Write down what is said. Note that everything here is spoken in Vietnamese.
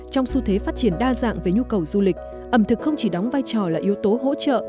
trong xu thế phát triển đa dạng về nhu cầu du lịch ẩm thực không chỉ đóng vai trò là yếu tố hỗ trợ